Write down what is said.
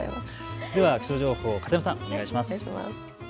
気象情報、片山さん、お願いします。